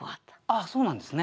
あっそうなんですね。